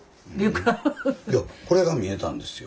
いやこれが見えたんですよ。